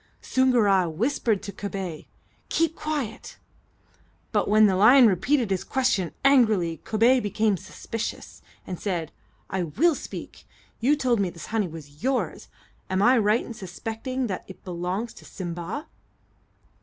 Soongoora whispered to Kobay, "Keep quiet;" but when the lion repeated his question angrily, Kobay became suspicious, and said: "I will speak. You told me this honey was yours; am I right in suspecting that it belongs to Simba?"